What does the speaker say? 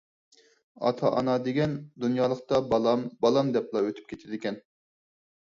ئاتا-ئانا دېگەن دۇنيالىقتا بالام، بالام دەپلا ئۆتۈپ كېتىدىكەن.